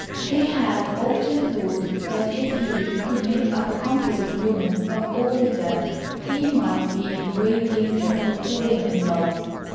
He had often thought that if he could make up a composite woman of all of them he might be in great danger of falling in love.